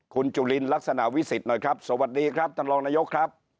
คุณจุลินลักษณะวิสิทธิ์หน่อยครับสวัสดีครับท่านรองนายกครับ